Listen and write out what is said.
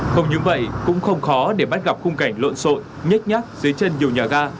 không những vậy cũng không khó để bắt gặp khung cảnh lộn sội nhét nhát dưới chân nhiều nhà ga